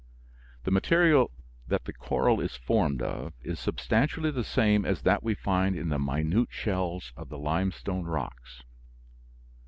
The material that the coral is formed of is substantially the same as that we find in the minute shells of the limestone rocks.